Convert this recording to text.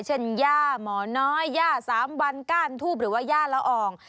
ย่าหมอน้อยย่าสามวันก้านทูบหรือว่าย่าละออง